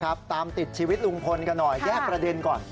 ตามติดชีวิตลุงพลกันหน่อยแยกประเด็นก่อน